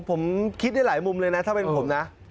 ผมคิดได้หลายมุมเลยนะถ้าเป็นผมนะ